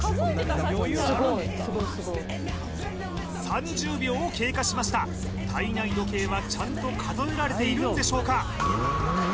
３０秒を経過しました体内時計はちゃんと数えられているんでしょうか？